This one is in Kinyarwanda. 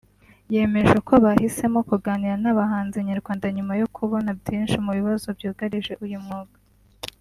yemeje ko bahisemo kuganira n’abahanzi nyarwanda nyuma yo kubona byinshi mu bibazo byugarije uyu mwuga